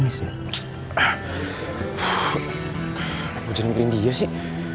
gue jangan mikirin dia sih